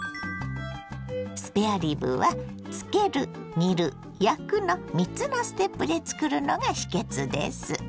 スペアリブは「漬ける」「煮る」「焼く」の３つのステップで作るのが秘けつです。